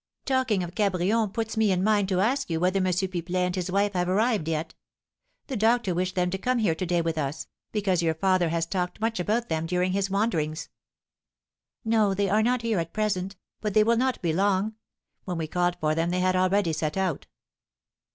"Talking of Cabrion puts me in mind to ask you whether M. Pipelet and his wife have arrived yet? The doctor wished them to come here to day with us, because your father has talked much about them during his wanderings." "No, they are not here at present, but they will not be long. When we called for them they had already set out."